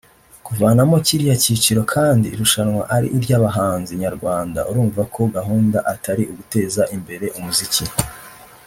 kuvanamo kiriya cyiciro kandi irushanwa ari iry’abahanzi nyarwanda urumva ko gahunda atari uguteza imbere umuziki